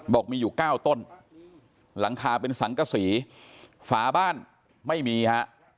บอกมีอยู่เก้าต้นหลังคาเป็นสังกษีฝาบ้านไม่มีฮะ